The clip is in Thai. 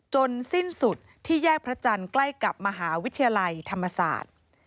สิ้นสุดที่แยกพระจันทร์ใกล้กับมหาวิทยาลัยธรรมศาสตร์